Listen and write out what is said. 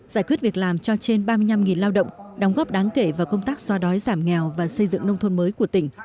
giải quyết việc làm cho trên ba mươi năm lao động đóng góp đáng kể vào công tác xóa đói giảm nghèo và xây dựng nông thôn mới của tỉnh